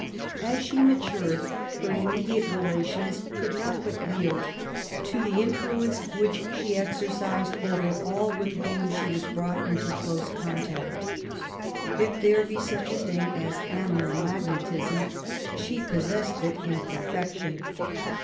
As she matured, her immediate rela tions could not but yield to the influence which she exercised over all with whom she was brought into dose contact. If there be such a thing as animal magnetism^ she possessed it in perfection.